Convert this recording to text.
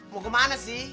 mau ke mana sih